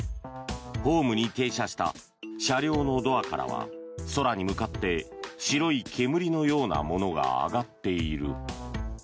ホームに停車した車両のドアからは空に向かって白い煙のようなものが上がっている。